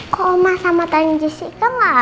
kok mas sama tani jessica gak ada